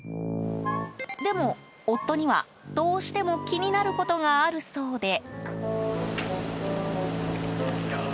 でも夫には、どうしても気になることがあるそうで。